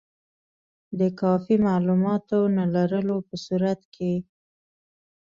د کافي معلوماتو نه لرلو په صورت کې.